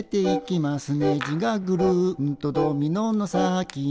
「ねじがぐるんとドミノの先に」